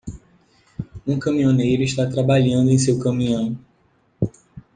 Um caminhoneiro está trabalhando em seu caminhão.